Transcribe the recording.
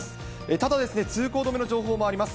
ただ、通行止めの情報もあります。